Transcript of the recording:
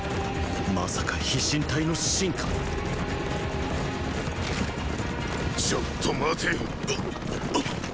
まさか飛信隊の信か⁉ちょっと待て！っ！